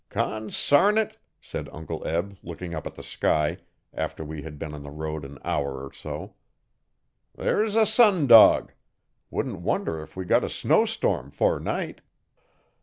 'Consarn it!' said Uncle Eb looking up at the sky, after we had been on the road an hour or so. 'There's a sun dog. Wouldn't wonder if we got a snowstorm' fore night.